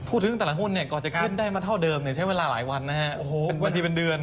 ถึงตลาดหุ้นเนี่ยก่อนจะขึ้นได้มาเท่าเดิมใช้เวลาหลายวันนะฮะเป็นบางทีเป็นเดือน